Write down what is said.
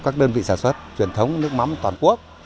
các đơn vị sản xuất truyền thống nước mắm toàn quốc